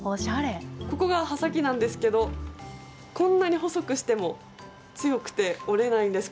ここが刃先なんですけど、こんなに細くしても強くて折れないんです。